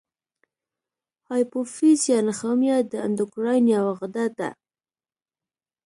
هایپوفیز یا نخامیه د اندوکراین یوه غده ده.